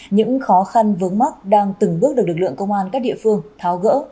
những khó khăn vướng mắt đang từng bước được lực lượng công an các địa phương tháo gỡ